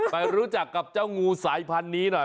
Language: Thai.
ไปรู้จักกับเจ้างูสายพันธุ์นี้หน่อย